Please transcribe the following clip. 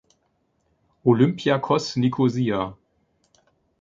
Olympiakos Nikosia